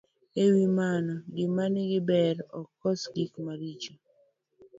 E wi mano, gima nigi ber ok kos gik maricho.